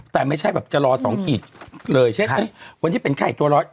แต่ไม่ใช่แบบเจ้าแล้ว๒กีตเลยเช่นวันนี้เป็นไข่ตัวร้อน